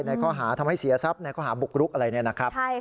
ในข้อหาทำให้เสียทรัพย์ในข้อหาบุกรุกอะไรเนี่ยนะครับ